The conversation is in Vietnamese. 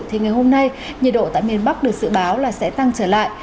thì ngày hôm nay nhiệt độ tại miền bắc được dự báo là sẽ tăng trở lại